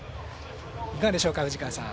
いかがでしょうか、藤川さん。